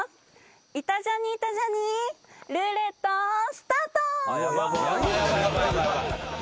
イタジャニイタジャニルーレットスタート！